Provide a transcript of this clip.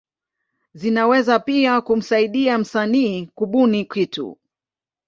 Zinaweza pia kumsaidia msanii kubuni kitu.